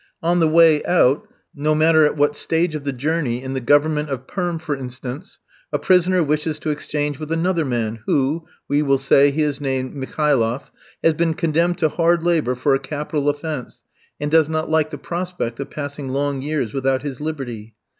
On the way out, no matter at what stage of the journey, in the Government of Perm, for instance, a prisoner wishes to exchange with another man, who we will say he is named Mikhailoff has been condemned to hard labour for a capital offence, and does not like the prospect of passing long years without his liberty.